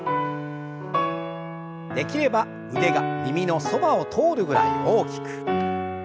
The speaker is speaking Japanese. できれば腕が耳のそばを通るぐらい大きく。